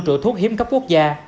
trụ thuốc hiếm cấp quốc gia